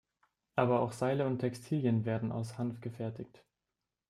Aber auch Seile und Textilien werden aus Hanf gefertigt.